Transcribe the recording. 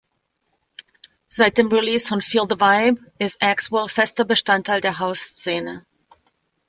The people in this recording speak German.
Seit dem Release von "Feel the Vibe" ist Axwell fester Bestandteil der House-Szene.